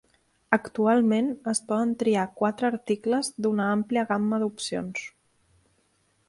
Actualment, es poden triar quatre articles d'una àmplia gamma d'opcions.